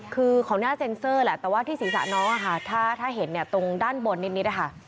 คือเขาน่าเซ็นเซอร์แหละแต่ว่าที่ศีรษะน้องถ้าเห็นเนี่ยตรงด้านบนนิดนะคะ